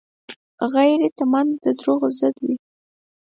غیرتمند د دروغو ضد وي